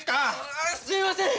ああすいません！